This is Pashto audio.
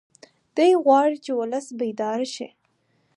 دی غواړي چې ولس بیدار شي.